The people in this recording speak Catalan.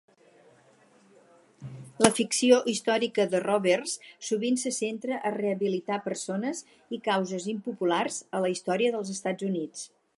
La ficció històrica de Roberts sovint se centra a rehabilitar persones i causes impopulars a la història dels Estats Units.